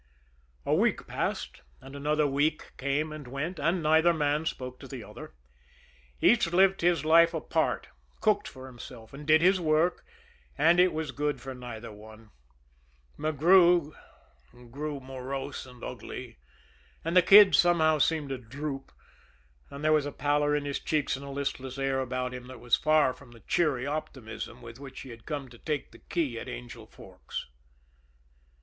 A week passed, and another week came and went, and neither man spoke to the other. Each lived his life apart, cooked for himself, and did his work; and it was good for neither one. McGrew grew morose and ugly; and the Kid somehow seemed to droop, and there was a pallor in his cheeks and a listless air about him that was far from the cheery optimism with which he had come to take the key at Angel Forks.